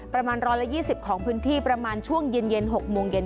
ประมาณ๑๒๐ของพื้นที่ประมาณช่วงเย็น๖โมงเย็น